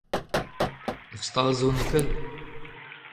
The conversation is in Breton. Ur stal zo nepell ?